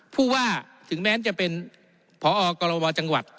ผู้ว่าถึงแม้จะเป็นพอกรวจังหวัด